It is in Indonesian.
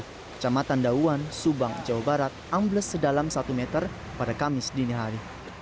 kecamatan dauan subang jawa barat ambles sedalam satu meter pada kamis dini hari